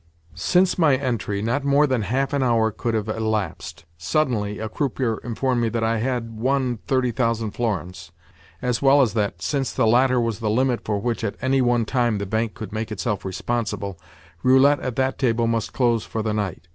Since my entry not more than half an hour could have elapsed. Suddenly a croupier informed me that I had, won thirty thousand florins, as well as that, since the latter was the limit for which, at any one time, the bank could make itself responsible, roulette at that table must close for the night.